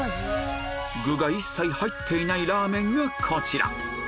具が一切入っていないラーメンがこちら！